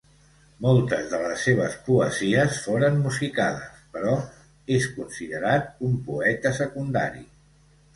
Moltes de les seves poesies foren musicades, però és considerat un poeta secundari.